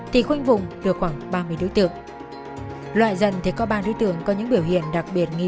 thì khoanh vùng được khoảng ba mươi đối tượng loại dần thì có ba đối tượng có những biểu hiện đặc biệt nghi